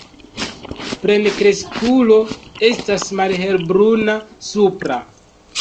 Plenkreskulo estas malhelbruna supra.